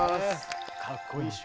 かっこいいっしょ。